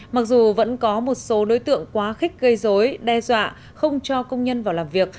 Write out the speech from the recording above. mặc dù vẫn có một số đối tượng quá khích gây dối đe dọa không cho công nhân vào làm việc